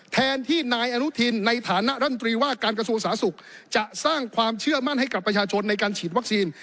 แทนที่นายอนุทินในฐานะรัฐมนตรีว่าการกระทรวงสาธารณสุขจะสร้างความเชื่อมั่นให้กับประชาชนในการฉีดวัคซีน